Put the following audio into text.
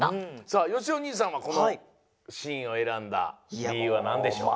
さあよしお兄さんはこのシーンを選んだりゆうはなんでしょう？